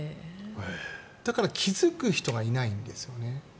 だから気付く人がいないんですよね。